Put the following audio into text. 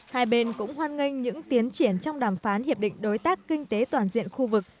hai bên cũng hoan nghênh những tiến triển trong đàm phán hiệp định đối tác kinh tế toàn diện khu vực